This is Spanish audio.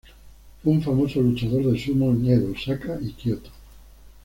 Fue un famoso luchador de sumo en Edo, Osaka y Kioto.